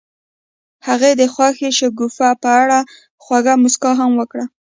هغې د خوښ شګوفه په اړه خوږه موسکا هم وکړه.